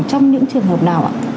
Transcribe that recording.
trong những trường hợp nào ạ